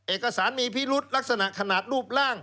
เอกสารมีพิรุษลักษณะขนาดรูปร่าง